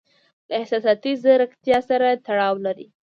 له احساساتي زیرکتیا سره تړاو لري.